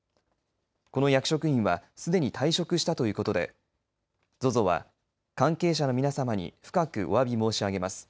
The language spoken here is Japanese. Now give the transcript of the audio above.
この役職員はすでに退職したということでＺＯＺＯは、関係者の皆さまに深くおわび申し上げます。